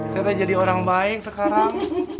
saya jadi orang baik sekarang